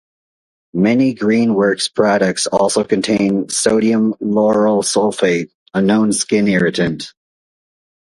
Many Green Works products also contain sodium lauryl sulfate, a known skin irritant.